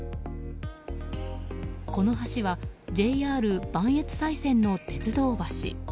この橋はＪＲ磐越西線の鉄道橋。